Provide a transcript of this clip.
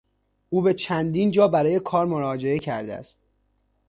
او به چندین جا برای کار مراجعه کرده است.